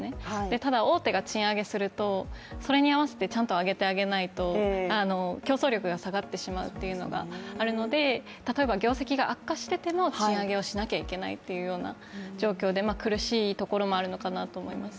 ただ大手が賃上げするとそれに合わせてちゃんと上げてあげないと競争力が下がってしまうっていうのがあるので例えば業績が悪化してても賃上げをしなきゃいけないって状況で苦しいところもあるのかなと思います。